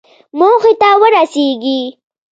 موخې ته ورسېږئ